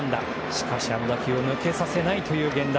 しかしあの打球を抜けさせない源田。